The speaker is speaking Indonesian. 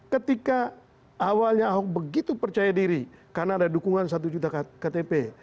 ketika awalnya ahok begitu percaya diri karena ada dukungan satu juta ktp